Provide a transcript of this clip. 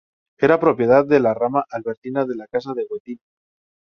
Era propiedad de la rama Albertina de la Casa de Wettin.